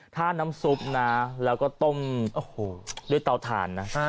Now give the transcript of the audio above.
ท่านน้ำซุปนะแล้วก็ต้มด้วยเตาทานนะ